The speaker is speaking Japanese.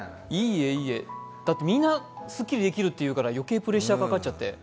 みんなすっきりできるっていうから余計プレッシャーかかっちゃって。